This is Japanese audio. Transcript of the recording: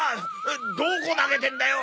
どこ投げてるんだよ。